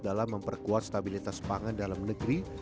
dalam memperkuat stabilitas pangan dalam negeri